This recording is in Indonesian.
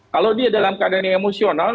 kalau dia dalam keadaan yang emosional